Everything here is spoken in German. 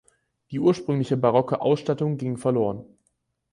Die ursprüngliche barocke Ausstattung ging verloren.